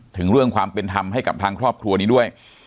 ถึงเรื่องความเป็นธรรมให้กับทางครอบครัวนี้ด้วย